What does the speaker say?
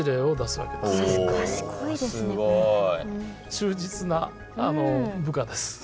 忠実な部下です。